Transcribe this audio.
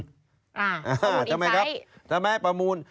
อ่าข้อมูลอีกไซต์ใช่ไหมครับทำไมครับประมูล